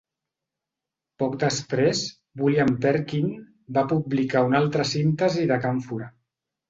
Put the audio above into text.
Poc després, William Perkin va publicar una altra síntesi de càmfora.